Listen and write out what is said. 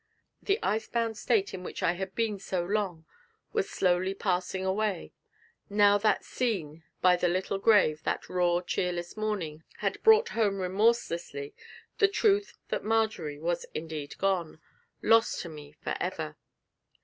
The ice bound state in which I had been so long was slowly passing away, now that the scene by the little grave that raw, cheerless morning had brought home remorselessly the truth that Marjory was indeed gone lost to me for ever.